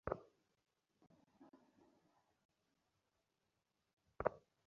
তখন আকাশে কয়েকটি কাল মেঘখণ্ড দেখা দেয়।